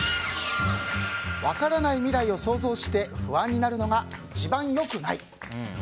分からない未来を想像して不安になるのが一番良くない。